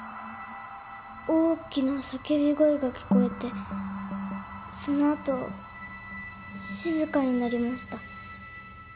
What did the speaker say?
大きな叫び声が聞こえてそのあと静かになりました。